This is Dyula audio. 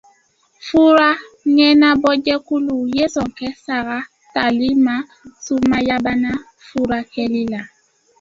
Fura ɲɛnabɔjɛkulu ye sɔn kɛ saga tali ma sumayabana furakɛli la.